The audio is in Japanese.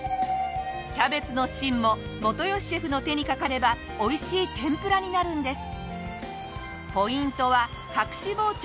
キャベツの芯も元吉シェフの手にかかればおいしい天ぷらになるんです。